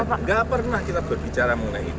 tidak pernah kita berbicara mengenai itu